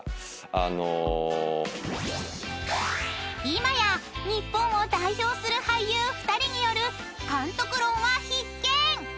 ［今や日本を代表する俳優２人による監督論は必見！］